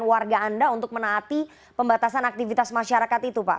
warga anda untuk menaati pembatasan aktivitas masyarakat itu pak